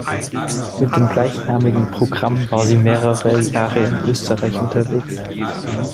Mit dem gleichnamigen Programm war sie mehrere Jahre in Österreich unterwegs.